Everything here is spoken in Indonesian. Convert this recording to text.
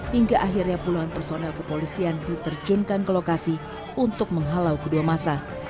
hingga akhirnya puluhan personel kepolisian diterjunkan ke lokasi untuk menghalau kedua masa